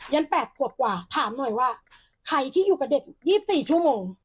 ยันแปดกว่ากว่าถามหน่อยว่าใครที่อยู่กับเด็กยี่สิบสี่ชั่วโมง